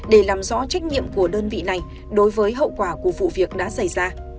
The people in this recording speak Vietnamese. để làm rõ trách nhiệm của đơn vị này đối với hậu quả của vụ việc đã xảy ra